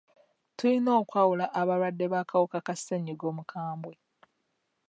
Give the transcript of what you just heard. Tuyina okwawula abalwadde b'akawuka ka ssenyiga omukambwe.